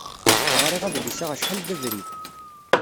Ɣriɣ adlis-a acḥal d abrid.